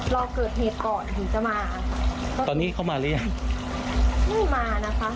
รอเกิดเหตุก่อนถึงจะมาตอนนี้เขามาหรือยังไม่มานะคะ